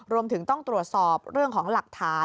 รวมถึงต้องตรวจสอบเรื่องของหลักฐาน